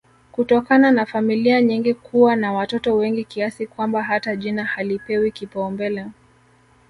kutokana na familia nyingi kuwa na wototo wengi kiasi kwamba hata jina halipewi kipaumbele